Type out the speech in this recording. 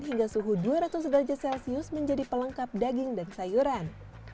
hingga suhu dua ratus derajat celcius menjadi pelengkap daging dan sayuran